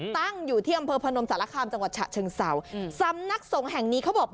ตั้งอยู่ที่อำเภอพนมสารคามจังหวัดฉะเชิงเศร้าสำนักสงฆ์แห่งนี้เขาบอก